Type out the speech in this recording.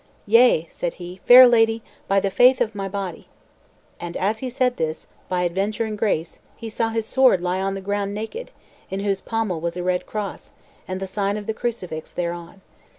"Yea," said he, "fair lady, by the faith of my body." And as he said this, by adventure and grace, he saw his sword lie on the ground naked, in whose pommel was a red cross, and the sign of the crucifix thereon.